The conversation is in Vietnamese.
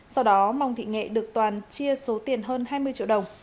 sau đó mong thị nghệ được toàn chia số tiền hơn hai mươi triệu đồng